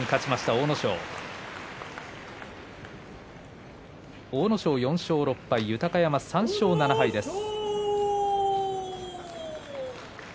阿武咲、４勝６敗豊山３勝７敗です。